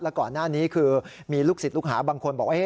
ก่อนหน้านี้คือมีลูกศิษย์ลูกหาบางคนบอกว่า